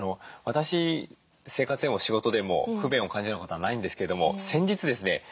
私生活でも仕事でも不便を感じることはないんですけども先日ですね